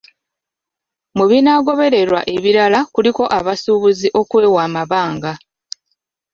Mu binaagobererwa ebirala kuliko abasuubuzi okwewa amabanga.